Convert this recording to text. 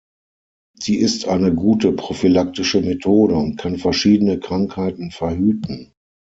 Sie ist eine gute prophylaktische Methode und kann verschiedene Krankheiten verhüten.